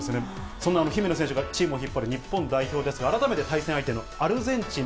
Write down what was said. そんな姫野選手がチームを引っ張る日本代表ですが、改めて対戦相手のアルゼンチン。